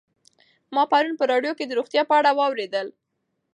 ما پرون په راډیو کې د روغتیا په اړه واورېدل.